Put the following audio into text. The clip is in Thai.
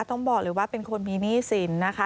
ต้องบอกเลยว่าเป็นคนมีหนี้สินนะคะ